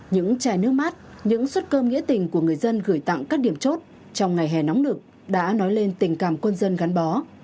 những chai nước mát những suất cơm nghĩa tình của người dân gửi tặng các điểm chốt trong ngày hè nóng lực đã nói lên tình cảm quân dân gắn bó